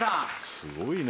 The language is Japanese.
すごいね。